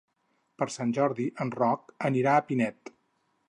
Per Sant Jordi en Roc anirà a Pinet.